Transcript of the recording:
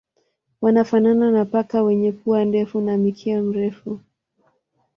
Wanafanana na paka wenye pua ndefu na mkia mrefu.